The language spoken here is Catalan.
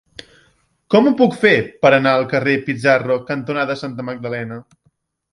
Com ho puc fer per anar al carrer Pizarro cantonada Santa Magdalena?